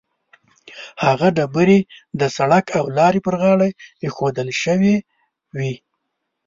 هغه ډبرې د سړک او لارې پر غاړه ایښودل شوې وي.